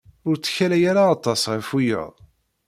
Ur ttkalay ara aṭas ɣef wiyaḍ.